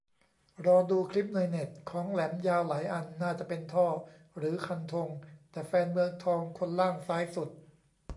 รอดูคลิปในเน็ต ของแหลมยาวหลายอันน่าจะเป็นท่อหรือคันธง แต่แฟนเมืองทองคนล่างซ้ายสุด